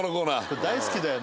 大好きだよね。